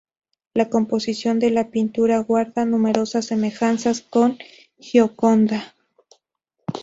La composición de la pintura guarda numerosas semejanzas con "La Gioconda".